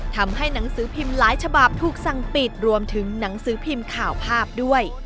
ทำให้หนังสือพิมพ์หลายฉบับถูกสั่งปิดรวมถึงหนังสือพิมพ์ข่าวภาพด้วย